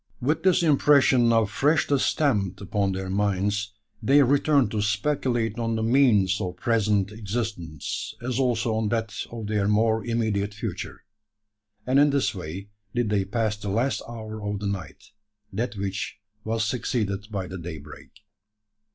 With this impression now freshly stamped upon their minds, they returned to speculate on the means of present existence, as also on that of their more immediate future; and in this way did they pass the last hour of the night that which was succeeded by the daybreak.